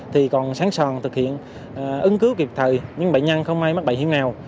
thì còn sáng sòn thực hiện ứng cứu kịp thời những bệnh nhân không may mắc bệnh hiếu nghèo